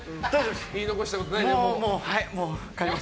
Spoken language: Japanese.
言い残したことないね？